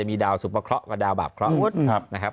มีดาวสุปะเคราะห์กับดาวบาปเคราะห์นะครับ